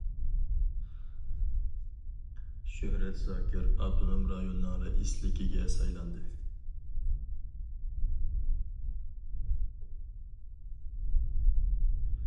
شۆھرەت زاكىر ئاپتونوم رايوننىڭ رەئىسلىكىگە سايلاندى.